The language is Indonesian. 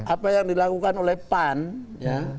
apa yang dilakukan oleh pan ya